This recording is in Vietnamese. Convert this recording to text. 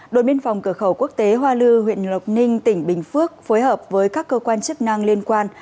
đội biên phòng cửa khẩu quốc tế hoa lư huyện lộc ninh tỉnh bình phước phối hợp với các cơ quan chức năng liên quan